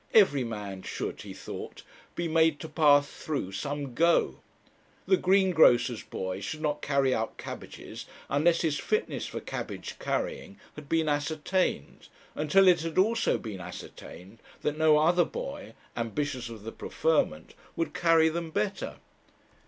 Every man should, he thought, be made to pass through some 'go.' The greengrocer's boy should not carry out cabbages unless his fitness for cabbage carrying had been ascertained, and till it had also been ascertained that no other boy, ambitious of the preferment, would carry them better.